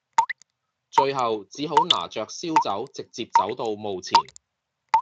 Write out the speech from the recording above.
最後只好拿著燒酒直接走到墓前